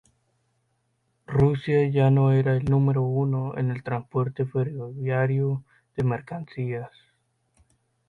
Rusia ya no era el número uno en el transporte ferroviario de mercancías.